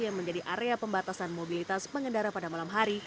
yang menjadi area pembatasan mobilitas pengendara pada malam hari